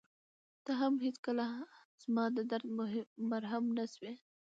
ته هم هېڅکله زما د درد مرهم نه شوې.